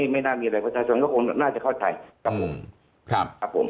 ไม่น่ามีอะไรประชาชนก็คงน่าจะเข้าใจครับ